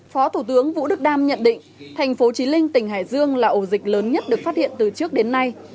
phó thủ tướng vũ đức đam nhận định tp chí linh tỉnh hải dương là ổ dịch lớn nhất được phát hiện từ trước đến nay